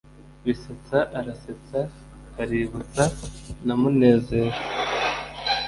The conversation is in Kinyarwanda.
bisetsa arasetsa baributsa na munezero